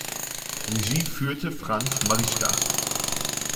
Regie führte Franz Marischka.